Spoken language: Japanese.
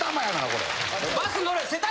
これ。